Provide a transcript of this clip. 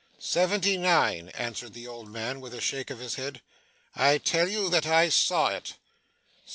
'Seventy nine,' answered the old man with a shake of the head, 'I tell you that I saw it.